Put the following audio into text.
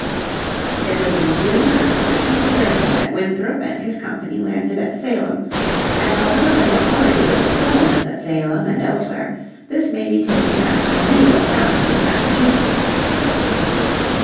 It was in June of 1630 that Winthrop and his company landed at Salem, and although there were already little settlements at Salem and elsewhere this may be taken as the real founding of Massachusetts.